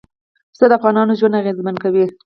پسه د افغانانو ژوند اغېزمن کوي.